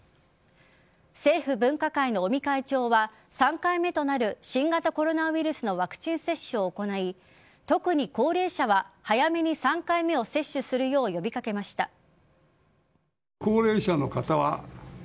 政府分科会の尾身会長は３回目となる新型コロナウイルスのワクチン接種を行い特に高齢者は早めに３回目を接種するよう呼び掛けました。